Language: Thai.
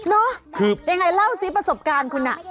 เนอะยังไงเล่าซีประสบการณ์คุณ